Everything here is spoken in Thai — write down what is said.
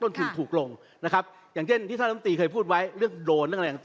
วันนี้เราจับยาติศิตรได้มากไว้วัตสาธิต